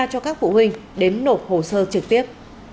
cho các phụ huynh đến nộp hồ sơ trực tiếp